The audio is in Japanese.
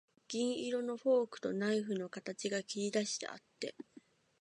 銀色のフォークとナイフの形が切りだしてあって、